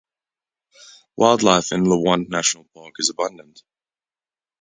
Wildlife in Liwonde National Park is abundant.